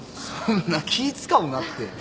そんな気使うなって。